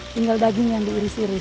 tinggal baginya diiris iris